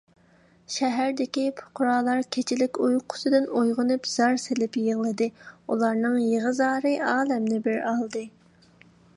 شەھەردىكى پۇقرالار كېچىلىك ئۇيقۇسىدىن ئويغىنىپ، زار سېلىپ يىغلىدى، ئۇلارنىڭ يىغا - زارى ئالەمنى بىر ئالدى.